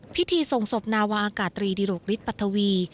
พิธีส่งศพนาวาอากาศตรีดิโรคฤทธปัทวี